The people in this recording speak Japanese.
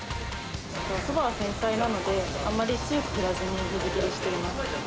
そばは繊細なので、あまり強く振らずに水切りしています。